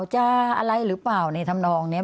จะอะไรหรือเปล่าในทำนองเนี่ย